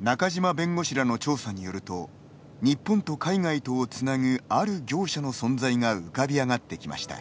中島弁護士らの調査によると日本と海外とをつなぐある業者の存在が浮かび上がってきました。